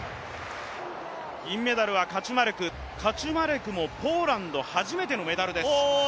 銀メダルはカチュマレク、カチュマレクもポーランド初めてのメダルです。